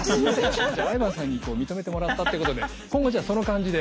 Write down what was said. ＩＶＡＮさんに認めてもらったってことで今後じゃあその感じで。